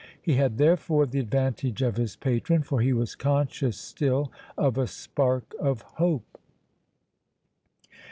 He had, therefore, the advantage of his patron, for he was conscious still of a spark of hope.